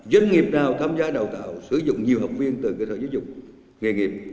doanh nghiệp nào tham gia đào tạo sử dụng nhiều học viên từ cơ sở giáo dục nghề nghiệp